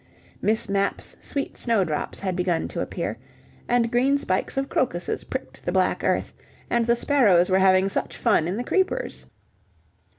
Miss Mapp's sweet snowdrops had begun to appear, and green spikes of crocuses pricked the black earth, and the sparrows were having such fun in the creepers.